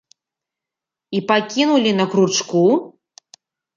І пакінулі на кручку?